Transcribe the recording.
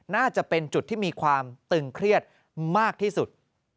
น่าจะเป็นจุดที่มีความตึงเครียดมากที่สุด